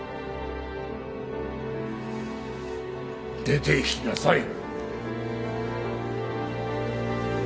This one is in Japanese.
出て行きなさい。